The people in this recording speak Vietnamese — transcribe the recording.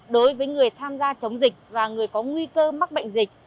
đối với người tham gia chống dịch và người có nguy cơ mắc bệnh dịch